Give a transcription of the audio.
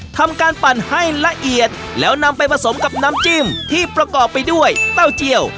ทำการปั่นให้ละเอียดแล้วนำไปผสมกับน้ำจิ้มที่ประกอบไปด้วยเต้าเจียว